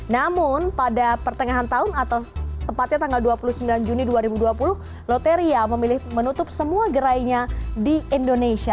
namun pada pertengahan tahun atau tepatnya tanggal dua puluh sembilan juni dua ribu dua puluh loteria memilih menutup semua gerainya di indonesia